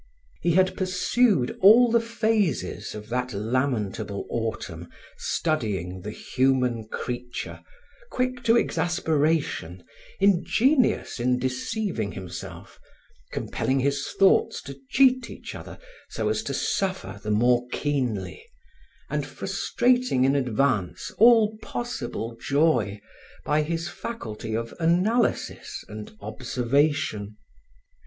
He had pursued all the phases of that lamentable autumn, studying the human creature, quick to exasperation, ingenious in deceiving himself, compelling his thoughts to cheat each other so as to suffer the more keenly, and frustrating in advance all possible joy by his faculty of analysis and observation.